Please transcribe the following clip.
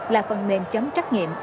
là phần mềm chấm trắc nghiệm